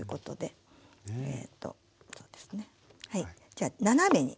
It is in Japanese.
じゃあ斜めに。